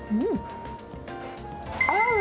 合う！